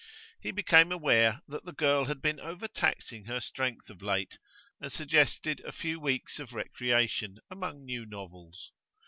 He became aware that the girl had been overtaxing her strength of late, and suggested a few weeks of recreation among new novels.